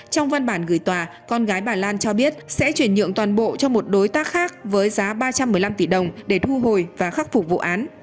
trong văn bản gửi tòa con gái bà lan cho biết sẽ chuyển nhượng toàn bộ cho một đối tác khác với giá ba trăm một mươi năm tỷ đồng để thu hồi và khắc phục vụ án